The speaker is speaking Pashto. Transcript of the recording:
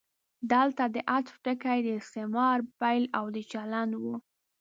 دلته د عطف ټکی د استعمار پیل او د چلند و.